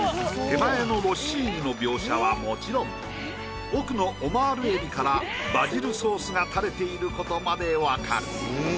手前のロッシーニの描写はもちろん奥のオマール海老からバジルソースがたれていることまでわかる。